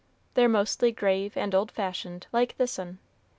They're mostly grave and old fashioned like this 'un.